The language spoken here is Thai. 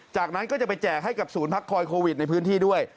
จากนั้นก็จะไปแจกให้กับศูนย์พักคอยโควิดในพื้นที่ด้วย